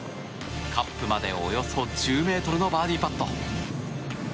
カップまでおよそ１０ｍのバーディーパット。